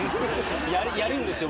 やるんですよ